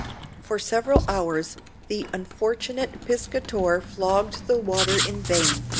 For several hours the unfortunate piscator flogged the water in vain.